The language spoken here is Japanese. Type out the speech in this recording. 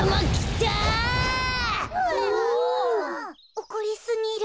おこりすぎる。